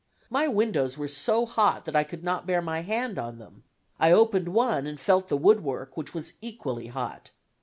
My windows were so hot that I could not bear my hand on them. I opened one and felt the woodwork, which was equally hot.